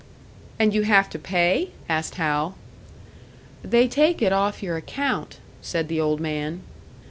"And you have to pay?" asked Hal. "They take it off your account," said the old man.